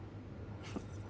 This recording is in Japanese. フッ。